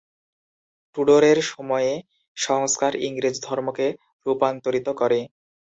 টুডরের সময়ে সংস্কার ইংরেজ ধর্মকে রূপান্তরিত করে।